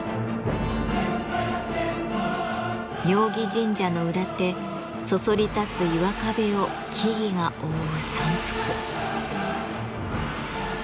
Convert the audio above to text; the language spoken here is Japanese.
妙義神社の裏手そそり立つ岩壁を木々が覆う山腹。